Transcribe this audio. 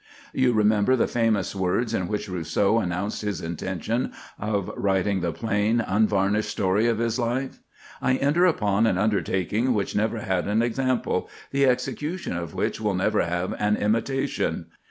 You remember the famous words in which Rousseau announced his intention of writing the plain, unvarnished story of his life: "I enter upon an undertaking which never had an example, the execution of which will never have an imitation.